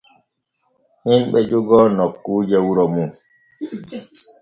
Himɓe jogoo nokkuuje wuro mum.